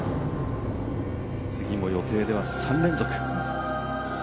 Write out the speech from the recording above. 次も予定では３連続。